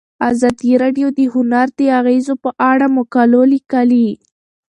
ازادي راډیو د هنر د اغیزو په اړه مقالو لیکلي.